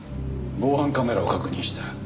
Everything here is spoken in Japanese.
防犯カメラを確認した。